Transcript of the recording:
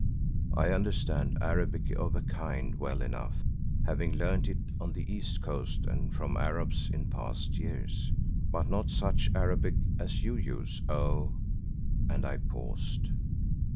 "I understand Arabic of a kind well enough, having learned it on the East Coast and from Arabs in past years, but not such Arabic as you use, O——" and I paused.